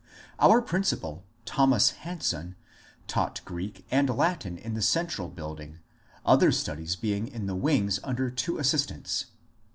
Our principal, Thomas Hanson, taught Greek and Latin in the central building, other studies being in the wings under two assistants.